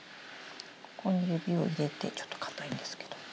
ここに指を入れてちょっと硬いんですけど。